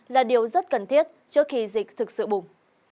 là điều rất cần thiết trước khi dịch thực sự bùng